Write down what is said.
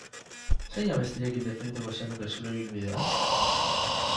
Zein abestirekin definituko zenuke zure ibilbidea?